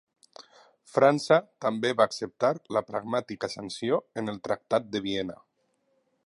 França també va acceptar la Pragmàtica Sanció en el Tractat de Viena.